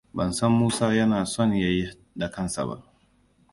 Ban san Musa yana son ya yi da kansa ba.